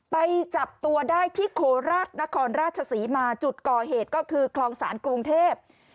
ไปจับตัวได้ที่โคราชนครราชศรีมาจุดก่อเหตุก็คือคลองศาลกรุงเทพ